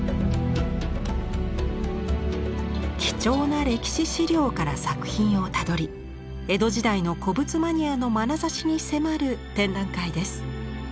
貴重な歴史資料から作品をたどり江戸時代の古物マニアのまなざしに迫る展覧会です。